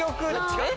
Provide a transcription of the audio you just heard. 違う？